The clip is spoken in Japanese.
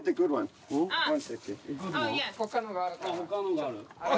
他のがあるから。